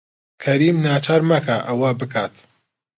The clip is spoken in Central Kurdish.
کەریم ناچار مەکە ئەوە بکات.